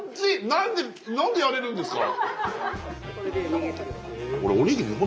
何で何でやれるんですか？